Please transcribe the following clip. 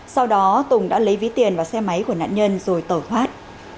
sau đó tùng đã lấy ví tiền vào xe máy của nạn nhân rồi tẩu thoát